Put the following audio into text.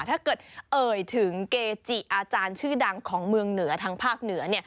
ถ้าเกิดเอ่ยถึงเกจิอาจารย์ชื่อดังของเมืองเหนือทางภาคเหนือ